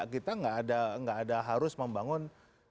kita nggak ada harus membangun